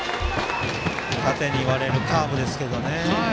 縦に割れるカーブですがね。